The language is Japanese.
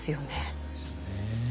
そうですよね。